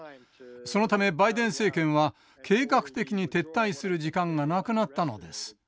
そのためバイデン政権は計画的に撤退する時間がなくなったのです。